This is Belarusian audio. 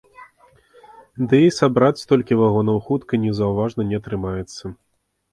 Ды, і сабраць столькі вагонаў хутка і незаўважна не атрымаецца.